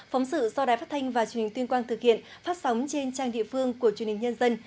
phóng sự do đài phát thanh và truyền hình tuyên quang thực hiện phát sóng trên trang địa phương của truyền hình nhân dân